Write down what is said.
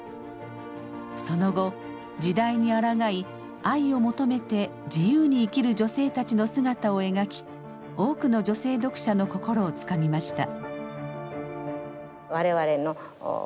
その後時代にあらがい愛を求めて自由に生きる女性たちの姿を描き多くの女性読者の心をつかみました。